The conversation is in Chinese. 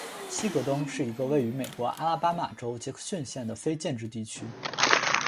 希格登是一个位于美国阿拉巴马州杰克逊县的非建制地区。